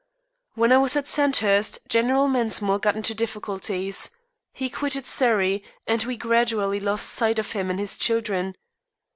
When I was at Sandhurst General Mensmore got into difficulties. He quitted Surrey, and we gradually lost sight of him and his children.